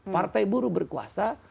partai buruk berkuasa